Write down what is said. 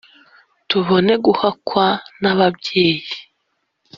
tubone guhakwa n'ababyeyi